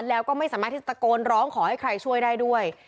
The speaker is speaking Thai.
แล้วก็ไม่สามารถที่ตะโกนร้องขอให้ใครช่วยได้ด้วย